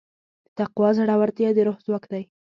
د تقوی زړورتیا د روح ځواک دی.